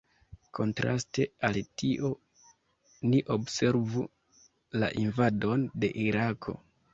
Kontraste al tio, ni observu la invadon de Irako.